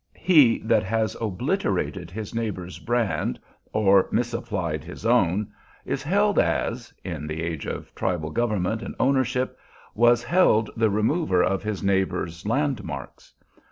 He that has obliterated his neighbor's brand or misapplied his own, is held as, in the age of tribal government and ownership, was held the remover of his neighbor's landmarks.